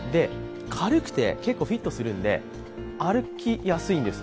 軽くて結構フィットするので、歩きやすいんです。